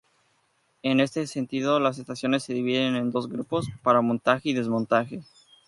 En este sentido las estaciones se dividen en dos grupos: para "montaje y desmontaje".